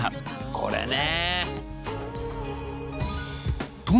これね。